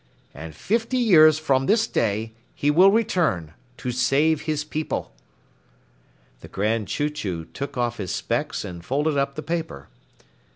And fifty years from this day, he will return to save his people." The Grand Chew Chew took off his specs and folded up the paper.